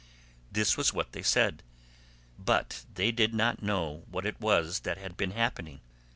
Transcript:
182 This was what they said, but they did not know what it was that had been happening.